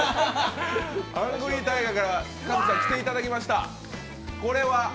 ハングリータイガーから渡邊さんに来ていただきました。